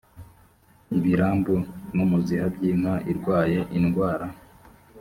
ibirambu n umuziha by inka irwaye indwara